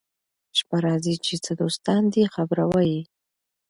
شپه راځي چي څه دوستان دي خبروه يې